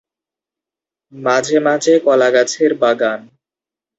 মাঝেমাঝে কলাগাছের বাগান।